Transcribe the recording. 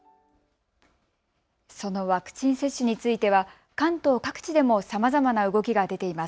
そのワクチン接種については関東各地でもさまざまな動きが出ています。